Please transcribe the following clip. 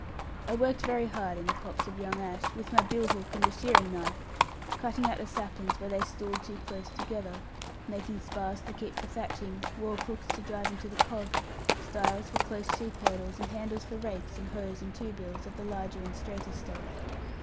I worked very hard in the copse of young ash, with my billhook and a shearing knife; cutting out the saplings where they stooled too close together, making spars to keep for thatching, wall crooks to drive into the cob, stiles for close sheep hurdles, and handles for rakes, and hoes, and two bills, of the larger and straighter stuff.